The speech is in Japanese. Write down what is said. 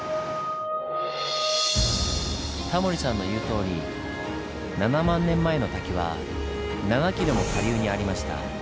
タモリさんの言うとおり７万年前の滝は７ｋｍも下流にありました。